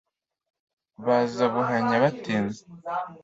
Baza buhanya batinze